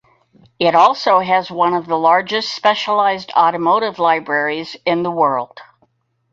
It also has one of the largest specialized automotive libraries in the world.